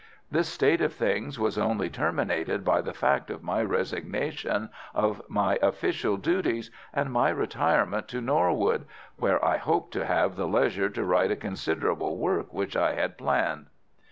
This state of things was only terminated by the fact of my resignation of my official duties and my retirement to Norwood, where I hoped to have the leisure to write a considerable work which I had planned.